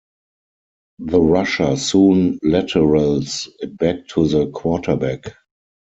The rusher soon laterals it back to the quarterback.